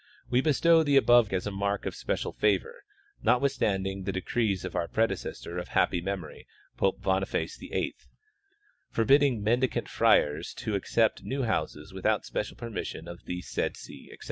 We bestow the above as a mark of special favor, notwithstanding the decrees of our predecessor of happy memory, Pope Boniface VIII, forbidding mendicant friars to ac cept new houses without special permission of the said see, etc.